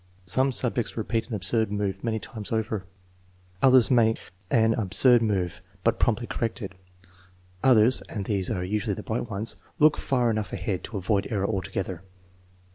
Some subjects re peat an absurd move many times over; others make an absurd move, but promptly correct it; others, and these are usually the bright ones, look far enough ahead to avoid error altogether.